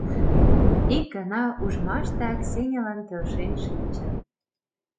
Ик гана ужмаштак Сенялан келшен шинчын.